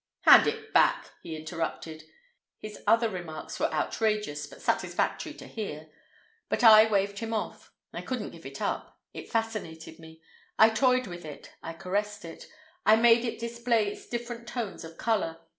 "Hand it back!" he interrupted (his other remarks were outrageous, but satisfactory to hear); but I waved him off. I couldn't give it up. It fascinated me. I toyed with it, I caressed it. I made it display its different tones of color.